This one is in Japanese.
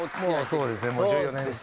そうですね１４年ですね。